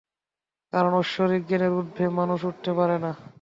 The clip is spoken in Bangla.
কারণ ঐশ্বরিক জ্ঞানের ঊর্ধ্বে মানুষ উঠতে পারে না।